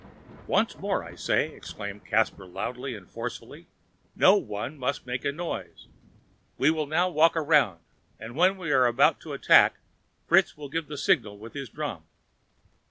"Once more I say," exclaimed Caspar loudly and forcibly, "no one must make a noise. We will now walk around, and when we are about to attack, Fritz shall give the signal with his drum."